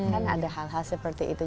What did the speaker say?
kan ada hal hal seperti itu